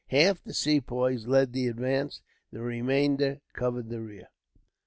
Half the Sepoys led the advance, the remainder covered the rear.